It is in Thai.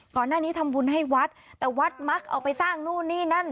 ก่อนหน้านี้ทำบุญให้วัดแต่วัดมักเอาไปสร้างนู่นนี่นั่น